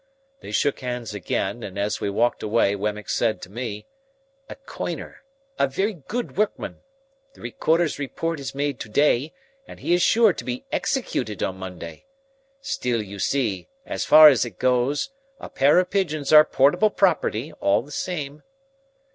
They shook hands again, and as we walked away Wemmick said to me, "A Coiner, a very good workman. The Recorder's report is made to day, and he is sure to be executed on Monday. Still you see, as far as it goes, a pair of pigeons are portable property all the same."